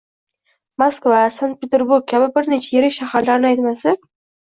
Moskva, Sankt-Peterburg kabi bir necha yirik shaharni aytmasa